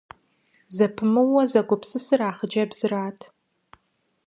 Зэпымыууэ зэгупсысыр а хъыджэбзырат.